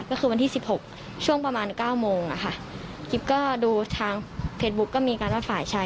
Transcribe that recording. ก็คือวันที่สิบหกช่วงประมาณเก้าโมงอะค่ะคลิปก็ดูทางเพจบุ๊กก็มีการว่าฝ่ายชาย